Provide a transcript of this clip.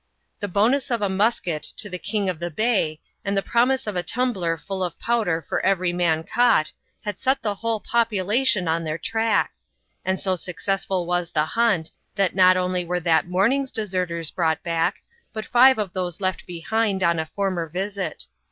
The bonus of a musket to the king of the Bay, and the promise of a tumbler fuU of powder for every man caught, had set the whole population on their track ; and so successful was the himt, that not only were that morning's deserters brought back, but five of those left behind on a former visit.